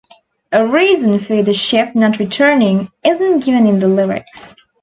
A reason for the ship not returning isn't given in the lyrics.